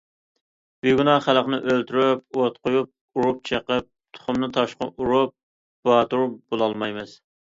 بىگۇناھ خەلقنى ئۆلتۈرۈپ، ئوت قۇيۇپ، ئۇرۇپ چېقىپ، تۇخۇمنى تاشقا ئۇرۇپ باتۇر بولالمايمىز.